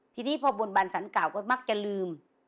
ทีนี้พอบนบานสารเก่าก็มักจะลืม